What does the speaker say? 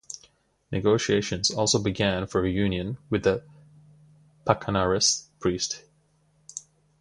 Negotiations also began for a union with the 'Paccanarist' priests.